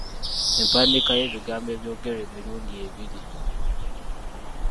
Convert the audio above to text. Empandiika y'ebigambo ebyogerwa emirundi ebiri.